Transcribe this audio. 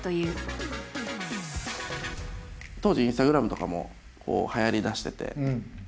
当時インスタグラムとかもはやりだしてて。